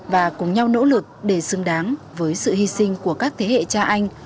và cùng nhau nỗ lực để xứng đáng với sự hy sinh của các thế hệ cha anh